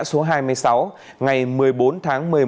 số hai mươi sáu ngày một mươi bốn tháng một mươi một